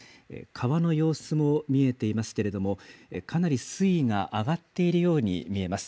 川の様子も見えていますけれども、かなり水位が上がっているように見えます。